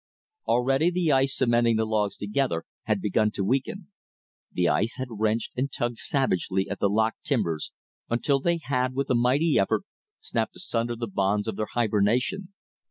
Already the ice cementing the logs together had begun to weaken. The ice had wrenched and tugged savagely at the locked timbers until they had, with a mighty effort, snapped asunder the bonds of their hibernation.